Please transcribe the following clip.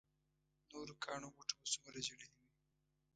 نورو کاڼو بوټو به څومره ژړلي وي.